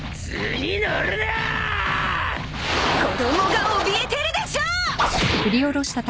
子供がおびえてるでしょ！